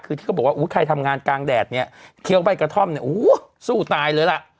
คือที่เขาบอกว่าอุ้ยใครทำงานกลางแดดเนี่ยเคี้ยวใบกระท่อมเนี่ยโอ้โหสู้ตายเลยล่ะ